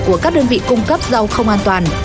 của các đơn vị cung cấp rau không an toàn